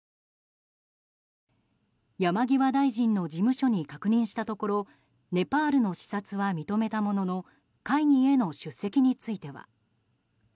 山際大臣の事務所に確認したところネパールの視察は認めたものの会議への出席については。